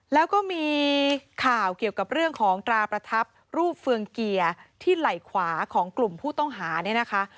แล้วก็มีข่าวเกี่ยวกับเรื่องของตราประทับรูปเฟืองเกียร์ที่ไหล่ขวาของกลุ่มผู้ต้องหาเนี่ยนะคะ